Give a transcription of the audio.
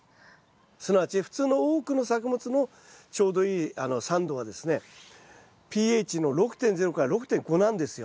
すなわち普通の多くの作物のちょうどいい酸度がですねｐＨの６．０から６．５なんですよ。